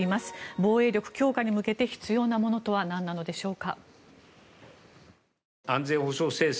防衛力強化に向けて必要なものとは何なのでしょうか。